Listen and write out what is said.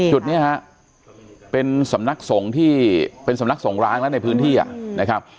จุดนี้ฮะเป็นสำนักสงฆ์ที่เป็นสำนักสงร้างแล้วในพื้นที่นะครับ